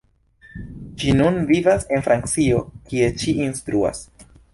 Ŝi nun vivas en Francio kie ŝi instruas.